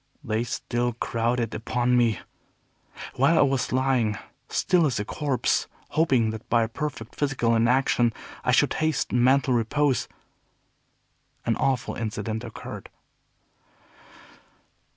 They still crowded upon me. While I was lying still as a corpse, hoping that by a perfect physical inaction I should hasten mental repose, an awful incident occurred.